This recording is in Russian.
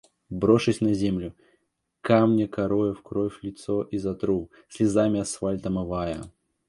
Брошусь на землю, камня корою в кровь лицо изотру, слезами асфальт омывая.